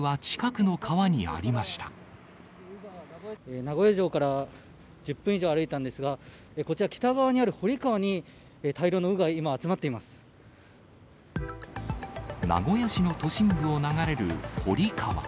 名古屋城から１０分以上歩いたんですが、こちら、北側にある堀川に、名古屋市の都心部を流れる堀川。